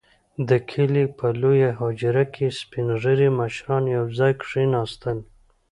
• د کلي په لويه حجره کې سپين ږيري مشران يو ځای کښېناستل.